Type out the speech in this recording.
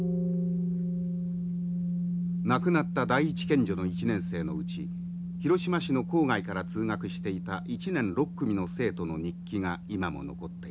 亡くなった第一県女の１年生のうち広島市の郊外から通学していた１年６組の生徒の日記が今も残っています。